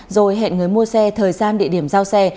rồi hẹn người mua xe thời gian địa điểm giao xe